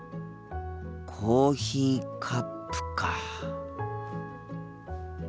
コーヒーカップか。